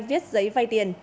viết giấy vai tiền